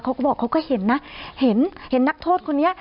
เขาก็บอกเขาก็เห็นนะเห็นนักโทษคนนี้